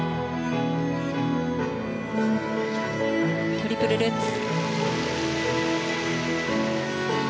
トリプルルッツ。